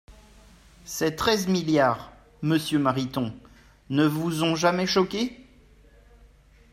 Ces treize milliards, monsieur Mariton, ne vous ont jamais choqué.